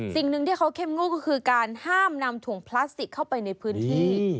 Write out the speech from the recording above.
สิ่งหนึ่งที่เขาเข้มงวดก็คือการห้ามนำถุงพลาสติกเข้าไปในพื้นที่